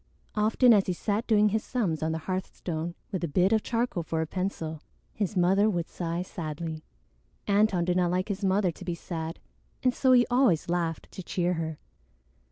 Often as he sat doing his sums on the hearthstone, with a bit of charcoal for a pencil, his mother would sigh sadly. Antone did not like his mother to be sad, and so he always laughed to cheer her.